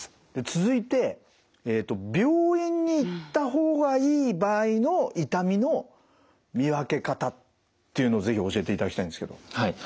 続いて病院に行った方がいい場合の痛みの見分け方というのを是非教えていただきたいんですけど。